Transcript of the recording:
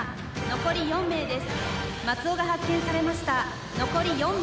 残り４名です。